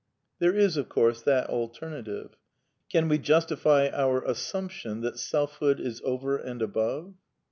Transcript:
There is, of course, that alternative. Can we justify our assumption that selfhood is over and above